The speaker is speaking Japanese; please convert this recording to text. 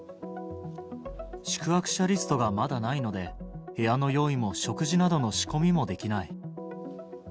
宿泊者リストがまだないので、部屋の用意も食事などの仕込みもできない。